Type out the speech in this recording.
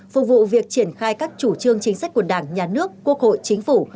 phục vụ việc triển khai các chủ trương chính sách của đảng nhà nước quốc hội chính phủ